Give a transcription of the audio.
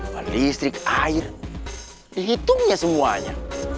paling listrik air dihitung ya semuanya